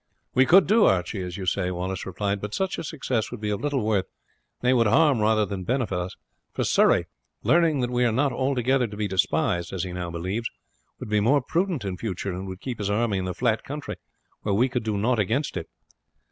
"We could do, Archie, as you say," Wallace replied, "but such a success would be of little worth, nay, would harm rather than benefit us, for Surrey, learning that we are not altogether to be despised, as he now believes, would be more prudent in future and would keep his army in the flat country, where we could do nought against it.